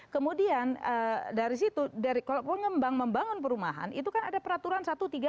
kemudian dari situ kalau pengembang membangun perumahan itu kan ada peraturan satu ratus tiga puluh